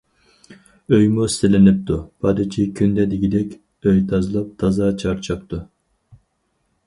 ئۆيمۇ سېلىنىپتۇ، پادىچى كۈندە دېگۈدەك ئۆي تازىلاپ تازا چارچاپتۇ.